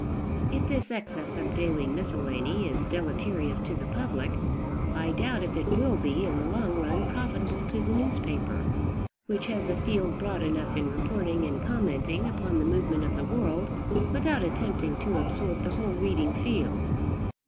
If this excess of daily miscellany is deleterious to the public, I doubt if it will be, in the long run, profitable to the newspaper, which has a field broad enough in reporting and commenting upon the movement of the world, without attempting to absorb the whole reading field.